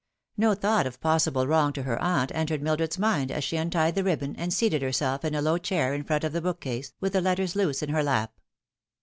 No thought of possible wrong to her aunt entered Mildred's mind as she untied the ribbon and seated herself in a low chair in front of the bookcase, with the letters loose in her lap.